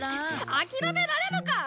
諦められるか！